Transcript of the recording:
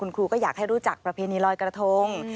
ครูก็อยากให้รู้จักประเพณีลอยกระทง